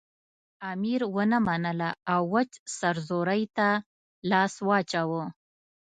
امیر ونه منله او وچ سرزوری ته لاس واچاوه.